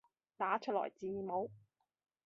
打出來字母